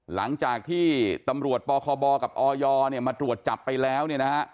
หลังจากที่ตำรวจปคบและอยมาตรวจจับไปแล้ว